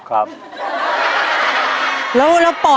ครับ